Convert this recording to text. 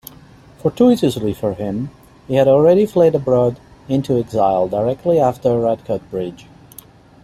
Fortuitously for him, he had already fled abroad into exile directly after Radcot Bridge.